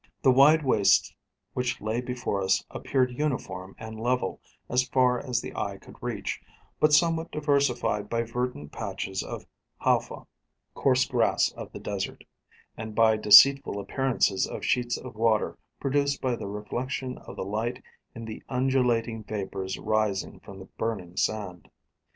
The wide wastes which lay before us appeared uniform and level as far as the eye could reach, but somewhat diversified by verdant patches of halfa (coarse grass of the desert), and by deceitful appearances of sheets of water, produced by the reflection of the light in the undulating vapours rising from the burning sand.